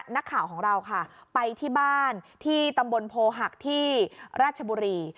นักข่าวไปที่บ้านที่ตำบลโพฮักที่รัชบุรี